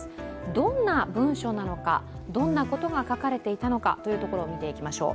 どんな文書なのか、どんなことが書かれていたのかというところを見ていきましょう。